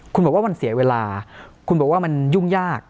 คุณบอกว่ามันเสียเวลาคุณบอกว่ามันยุ่งยาก